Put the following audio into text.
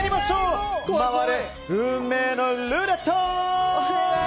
回れ、運命のルーレット！